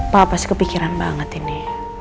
papa sih kepikiran banget ini